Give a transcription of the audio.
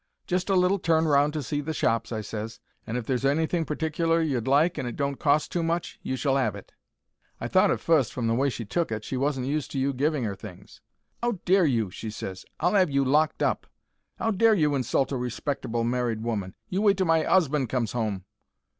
"'Just a little turn round to see the shops,' I ses; 'and if there's anything particler you'd like and it don't cost too much, you shall 'ave it.' "I thought at fust, from the way she took it, she wasn't used to you giving 'er things. "'Ow dare you!' she ses. 'I'll 'ave you locked up. 'Ow dare you insult a respectable married woman! You wait till my 'usband comes 'ome.'